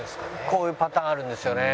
こういうパターンあるんですよね。